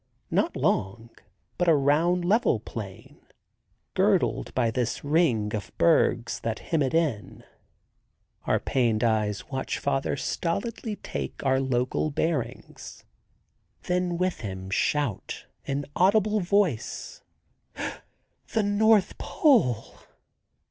Not long, but a round level plain, girdled by this ring of bergs that hem it in. Our pained eyes watch father stolidly take our local bearings, then with him shout in audible voice: "The North Pole!"